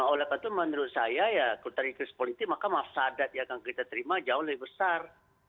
oleh karena itu menurut saya ya kalau dari krisis politik maka mafsadat yang akan kita terima jauh lebih besar